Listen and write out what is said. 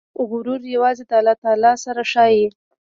غرور یوازې د الله تعالی سره ښایي.